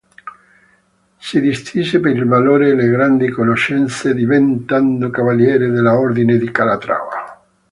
Si distinse per il valore e le grandi conoscenze, diventando cavaliere dell'Ordine di Calatrava.